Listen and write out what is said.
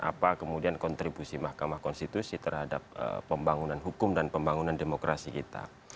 apa kemudian kontribusi mahkamah konstitusi terhadap pembangunan hukum dan pembangunan demokrasi kita